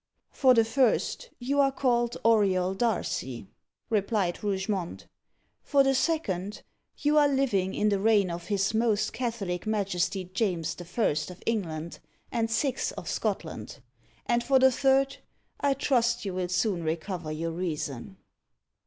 "For the first, you are called Auriol Darcy," replied Rougemont; "for the second, you are living in the reign of his most Catholic Majesty James I. of England, and Sixth of Scotland; and for the third, I trust you will soon recover your reason."